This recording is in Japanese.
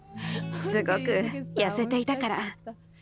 すごく痩せていたから。